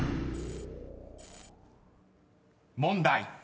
［問題］